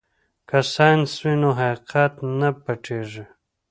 که ساینس وي نو حقیقت نه پټیږي.